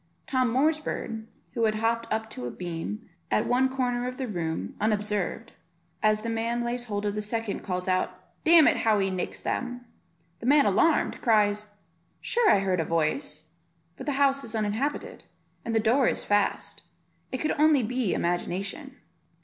Tom Moor's bird, who had hopped up to a beam at one corner of the room unobserved, as the man lays hold of the second, calls out, "Damn it, how he nicks them." The man alarmed, cries, "Sure I heard a voice, but the house is uninhabited, and the door is fast; it could only be imagination."